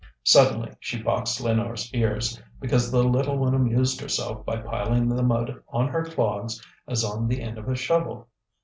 Suddenly she boxed Lénore's ears, because the little one amused herself by piling the mud on her clogs as on the end of a shovel.